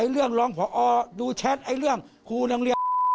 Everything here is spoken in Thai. เรื่องรองพอดูแชทเรื่องครูโรงเรียน